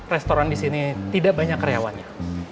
restoran di sini tidak banyak karyawannya